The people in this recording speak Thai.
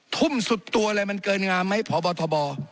ทุ่มสุดตัวเลยมันเกินงามไหมพบทบ